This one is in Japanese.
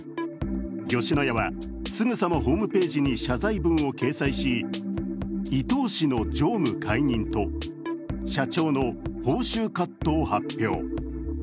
吉野家はすぐさまホームページに謝罪文を掲載し伊東氏の常務解任と社長の報酬カットを発表。